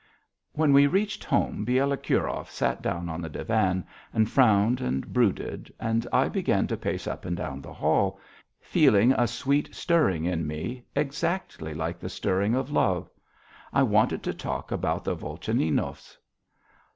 When we reached home, Bielokurov sat down on the divan and frowned and brooded, and I began to pace up and down the hall, feeling a sweet stirring in me, exactly like the stirring of love. I wanted to talk about the Volchaninovs.